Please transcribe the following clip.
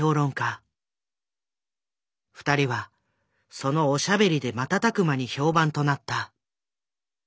二人はそのおしゃべりで瞬く間に評判となった。